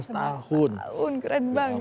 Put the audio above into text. sebelas tahun keren banget